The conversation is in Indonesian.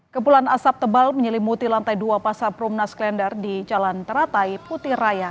kepulan asap tebal menyelimuti lantai dua pasar rumnas klender di jalan teratai putih raya